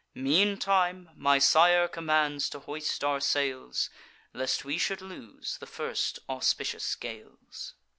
Meantime, my sire commands to hoist our sails, Lest we should lose the first auspicious gales.